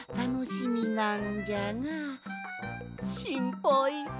しんぱい。